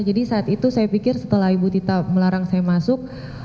jadi saat itu saya pikir setelah ibu tita melarang saya masuk